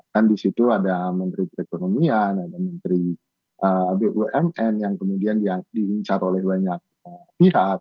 kan di situ ada menteri perekonomian ada menteri bumn yang kemudian diincar oleh banyak pihak